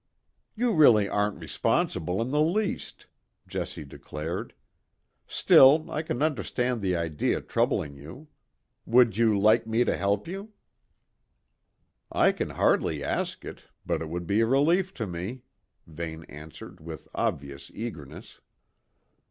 "You really aren't responsible in the least," Jessie declared. "Still, I can understand the idea troubling you. Would you like me to help you?" "I can hardly ask it, but it would be a relief to me," Vane answered with obvious eagerness.